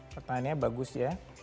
pertanyaannya bagus ya